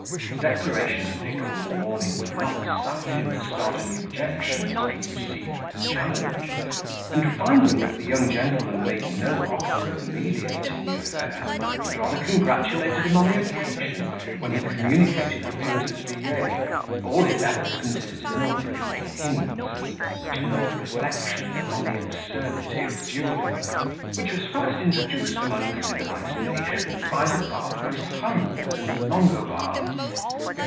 His declaration to Pickle in the morning would not suffer him to start any objections when he received the challenge; and finding that the young gentleman made no offer of mediating the affair, but rather congratulated him on the occasion, when he communicated the painter's billet, all his efforts consisted in oblique hints, and general reflections upon the absurdity of duelling, which was first introduced among civilised nations by the barbarous Huns and Longobards.